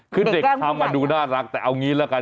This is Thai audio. คือเด็กทำมาดูน่ารักแต่เอางี้ละกัน